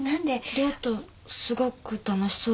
涼とすごく楽しそうで。